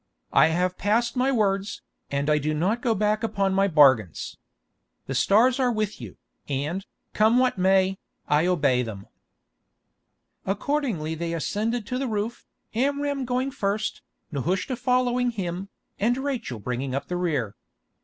I have passed my words, and I do not go back upon my bargains. The stars are with you, and, come what may, I obey them." Accordingly they ascended to the roof, Amram going first, Nehushta following him, and Rachel bringing up the rear.